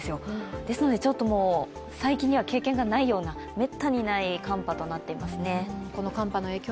ですので、最近では経験がないような、めったにない寒波となっていますね。